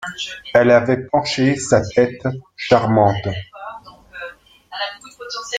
Elle avait penché sa tête charmante.